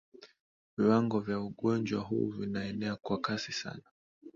Viwango vya ugonjwa huu vinaenea kwa kasi sana.